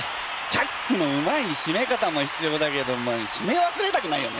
チャックのうまいしめ方も必要だけどしめわすれたくないよね。